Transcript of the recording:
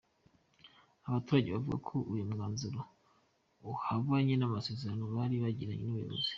Aba baturage bavuga ko uyu mwanzuro uhabanye n’amasezerano bari bagiranye n’ubuyobozi.